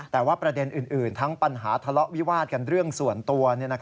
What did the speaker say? แต่ว่าประเด็นอื่นทั้งปัญหาทะเลาะวิวาดกันเรื่องส่วนตัว